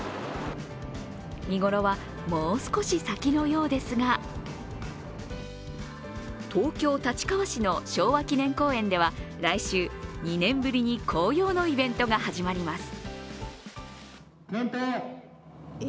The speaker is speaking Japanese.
見頃はもう少し先のようですが東京・立川市の昭和記念公園では来週、２年ぶりに紅葉のイベントが始まります。